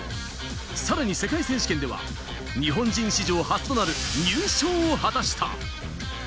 さらに世界選手権では日本人史上初となる入賞を果たした。